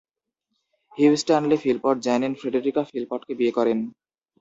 Hugh Stanley Philpot Janine Frederica ফিলপটকে বিয়ে করেন।